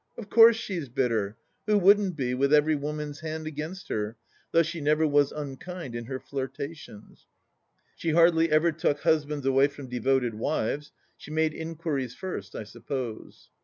Of course she is bitter — ^who wouldn't be, with every woman's hand against her, though she never was unkind in her flirtations ? She hardly ever took husbands away from devoted wives. She made inquiries first, I suppose.